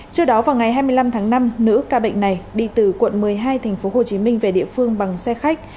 trước đó vào ngày hai mươi năm tháng năm nữ ca bệnh này đi từ quận một mươi hai tp hcm về địa phương bằng xe khách